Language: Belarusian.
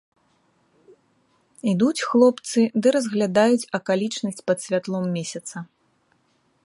Ідуць хлопцы ды разглядаюць акалічнасць пад святлом месяца.